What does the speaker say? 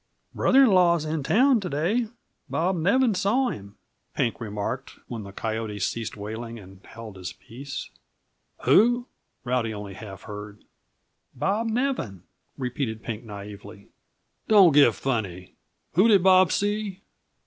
"Brother in law's in town to day; Bob Nevin saw him," Pink remarked, when the coyote ceased wailing and held his peace. "Who?" Rowdy only half heard. "Bob Nevin," repeated Pink naively. "Don't get funny. Who did Bob see?"